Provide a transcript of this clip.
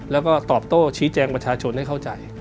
แล้วก็ตอบโต้ชี้แจงประชาชนให้เข้าใจ